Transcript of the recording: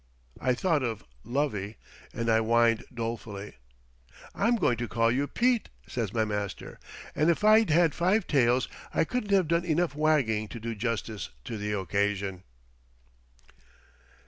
I thought of "Lovey," and I whined dolefully. "I'm going to call you 'Pete,'" says my master; and if I'd had five tails I couldn't have done enough wagging to do justice to the occasion.